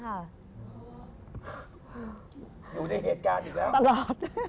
อยู่ในเหตุการณ์อีกแล้วตลอด